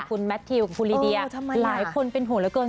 คุณแมททิวคุณลีเดียหลายคนเป็นห่วงเหลือเกิน